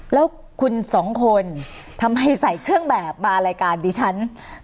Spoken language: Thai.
แล้วคุณสองคนทำไมใส่เครื่องแบบมารายการดิฉัน